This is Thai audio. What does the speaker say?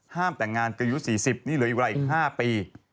ห้ามแต่งงานกยุ๔๐นี่เหลือีกวันอีก๕ปี